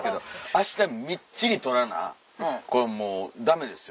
明日みっちり撮らなこれもうダメですよ。